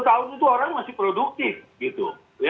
dua puluh tahun itu orang masih produktif gitu